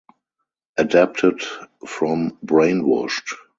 Adapted from Brainwashed.